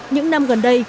những năm gần đây